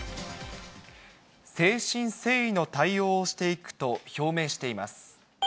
誠心誠意の対応をしていくと表明しています。